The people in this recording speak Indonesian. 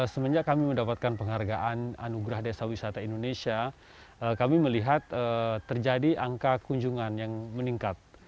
semenjak kami mendapatkan penghargaan anugerah desa wisata indonesia kami melihat terjadi angka kunjungan yang meningkat